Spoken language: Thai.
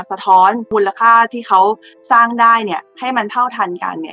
สะท้อนมูลค่าที่เขาสร้างได้เนี่ยให้มันเท่าทันกันเนี่ย